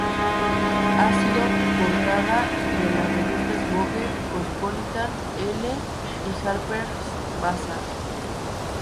Ha sido portada de las revistas "Vogue", "Cosmopolitan", "Elle" y "Harper's Bazaar".